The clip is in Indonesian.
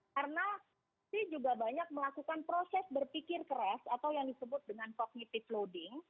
karena dia juga banyak melakukan proses berpikir keras atau yang disebut dengan cognitive loading